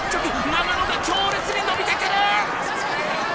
長野が強烈に伸びてくる！